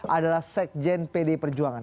adalah sekjen pdi perjuangan